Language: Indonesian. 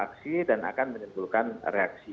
aksi dan akan menimbulkan reaksi